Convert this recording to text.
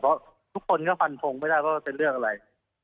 เพราะทุกคนก็ฟันทงไม่ได้ว่าเป็นเรื่องอะไร